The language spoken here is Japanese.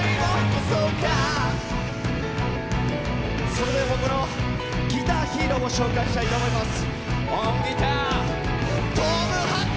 それでは僕のギターヒーローを紹介したいと思います。